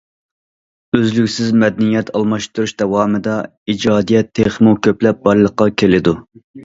ئۈزلۈكسىز مەدەنىيەت ئالماشتۇرۇش داۋامىدا ئىجادىيەت تېخىمۇ كۆپلەپ بارلىققا كېلىدۇ.